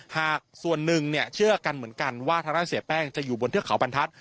หากส่วนหนึ่งเชื่อกันเหมือนกันว่าทางด้านเสียแป้งจะอยู่บนเทือกเขาบรรทัศน